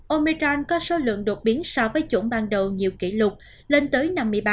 omechang có số lượng đột biến so với chủng ban đầu nhiều kỷ lục lên tới năm mươi ba